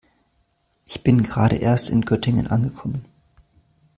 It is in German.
Ich bin gerade erst in Göttingen angekommen